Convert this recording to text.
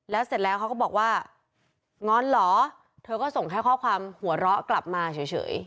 แล้วเสร็จแล้วเขาก็บอกว่าง้อนเหรอเธอก็ส่งแค่ข้อความหัวเราะกลับมาเฉย